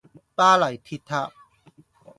巴黎鐵塔